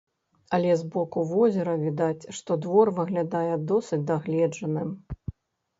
Але з боку возера відаць, што двор выглядае досыць дагледжаным.